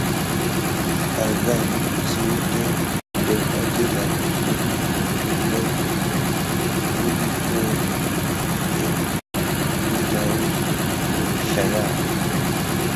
Andawu idanda suwa asana kasaku ida kuzuma idoko idawu wuzlaya.